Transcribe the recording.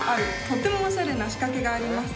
とってもオシャレな仕掛けがあります